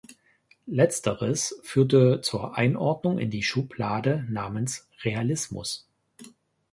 Letzteres führte zur Einordnung in die Schublade namens „Realismus“.